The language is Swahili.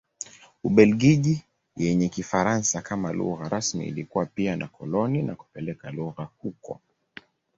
Ubelgiji yenye Kifaransa kama lugha rasmi ilikuwa pia na koloni na kupeleka lugha huko.